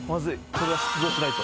これは出動しないと。